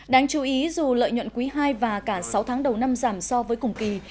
đáng chú ý dù lợi nhuận quý ii và cả sáu tháng đầu năm giảm so với cùng kỳ